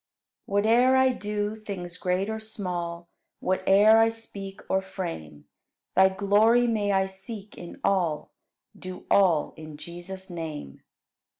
17. Whate'er I do, things great or small Whate'er I speak or frame. Thy glory may I seek in all, Do all in Jesus' name.